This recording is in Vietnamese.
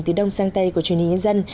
từ đông sang tây của truyền hình nhân dân